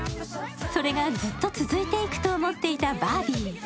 それがずっと続いていくと思っていたバービー。